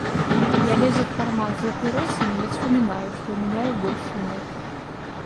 Я лезу в карман за папиросами, но вспоминаю, что у меня их больше нет.